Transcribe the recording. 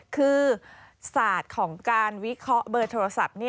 คือศาสตร์ของการวิเคราะห์เบอร์โทรศัพท์